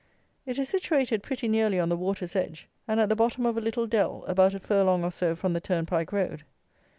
It is situated pretty nearly on the water's edge, and at the bottom of a little dell, about a furlong or so from the turnpike road.